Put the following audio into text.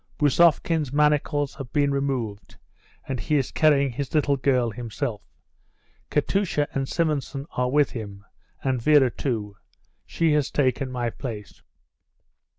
"Bousovkin's manacles have been removed, and he is carrying his little girl himself. Katusha and Simonson are with him, and Vera, too. She has taken my place."